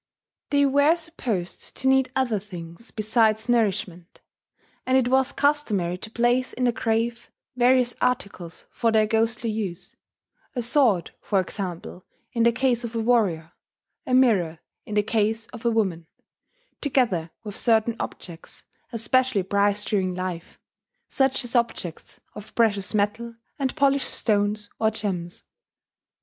They were supposed to need other things besides nourishment; and it was customary to place in the grave various articles for their ghostly use, a sword, for example, in the case of a warrior; a mirror in the case of a woman, together with certain objects, especially prized during life, such as objects of precious metal, and polished stones or gems